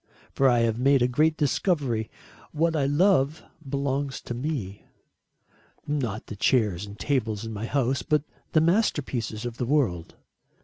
For I have made a great discovery. What I love belongs to me. Not the chairs and tables in my house, but the masterpieces of the world.